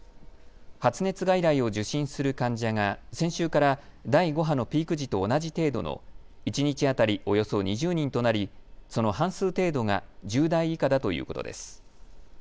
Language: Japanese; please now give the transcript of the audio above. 発熱外来を受診する患者が先週から第５波のピーク時と同じ程度の一日当たりおよそ２０人となりその半数程度が１０代以下だということです。